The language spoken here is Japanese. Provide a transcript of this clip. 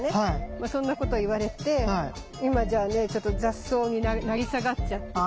まあそんなこといわれて今じゃねちょっと雑草に成り下がっちゃってさ。